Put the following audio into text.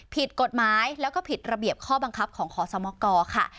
ผิดกฎหมายแล้วก็ผิดระเบียบข้อบังคับของขอสมกค่ะ